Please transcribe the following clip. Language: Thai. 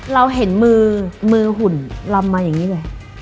เราเห็นมือมือหุ่นลำมาอย่างนี้เลย